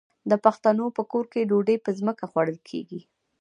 د پښتنو په کور کې ډوډۍ په ځمکه خوړل کیږي.